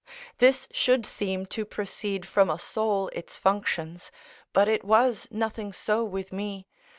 This should seem to proceed from a soul its functions; but it was nothing so with me.